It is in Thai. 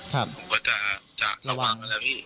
ผมก็จะระวังกันแล้วพี่